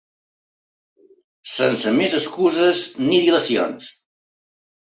Sense més excuses ni dilacions.